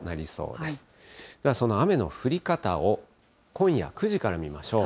ではその雨の降り方を今夜９時から見ましょう。